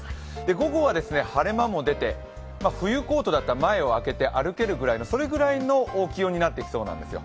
午後は晴れ間も出て、冬コートだったら前を開けて歩けるぐらいの気温になってきそうなんですよ。